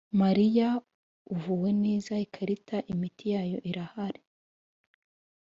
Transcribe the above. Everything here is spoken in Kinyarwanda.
marariya ivuwe neza irakira; imiti yayo irahari.